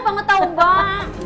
paman tau mbak